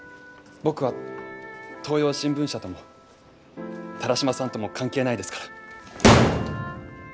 僕は東洋新聞社とも田良島さんとも関係ないですから。